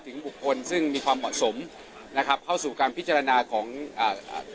บุคคลซึ่งมีความเหมาะสมนะครับเข้าสู่การพิจารณาของอ่าอ่า